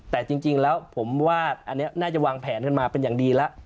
แต่จริงแล้วผมว่าอันนี้น่าจะวางแผนกันมาเป็นอย่างดีแล้ว